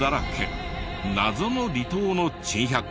謎の離島の珍百景。